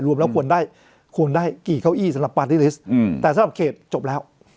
รวมแล้วควรได้ควรได้กี่เก้าอี้สำหรับปาร์ตี้ลิสต์แต่สำหรับเขตจบแล้ว